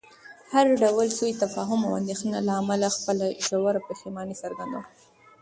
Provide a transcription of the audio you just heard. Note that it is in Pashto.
د هر ډول سوء تفاهم او اندېښنې له امله خپله ژوره پښیماني څرګندوم.